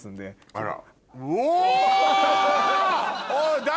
あら。